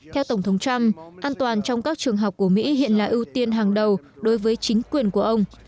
theo tổng thống trump an toàn trong các trường học của mỹ hiện là ưu tiên hàng đầu đối với chính quyền của ông